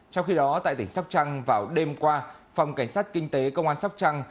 trong khi đó tại tỉnh sóc trăng vào đêm qua phòng cảnh sát kinh tế công an sóc trăng